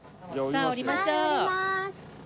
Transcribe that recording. さあ降りましょう。